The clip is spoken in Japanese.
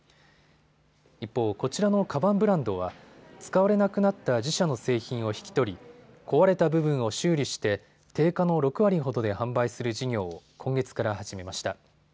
一方、こちらのかばんブランドは使われなくなった自社の製品を引き取り壊れた部分を修理して定価の６割ほどで販売する事業を今月から始めました。